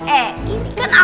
eh ini kan anaknya